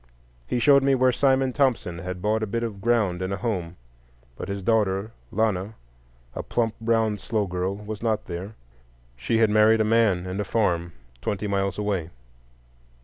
He showed me where Simon Thompson had bought a bit of ground and a home; but his daughter Lana, a plump, brown, slow girl, was not there. She had married a man and a farm twenty miles away.